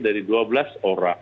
dari dua belas orang